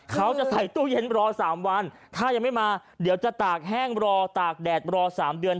เขาจะใส่ตู้เย็นรอ๓วันถ้ายังไม่มาเดี๋ยวจะตากแห้งรอตากแดดรอ๓เดือน